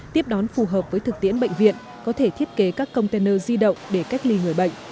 tiếp đón phù hợp với thực tiễn bệnh viện có thể thiết kế các container di động để cách ly người bệnh